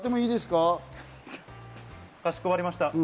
かしこまりました。